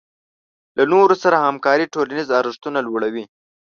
له نورو سره همکاري ټولنیز ارزښتونه لوړوي.